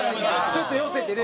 ちょっと寄せてね